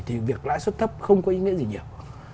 thì việc lãi suất thấp không có ý nghĩa gì nhiều